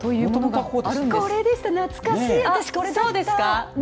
これでした懐かしい、私これだった。